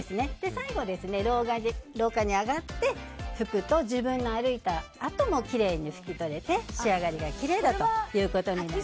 最後、廊下に上がって拭くと自分が歩いた跡もきれいに拭きとれて仕上がりがきれいだということになります。